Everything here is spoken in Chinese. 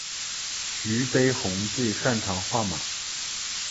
徐悲鸿最擅长画马。